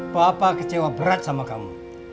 papa kecewa berat sama kamu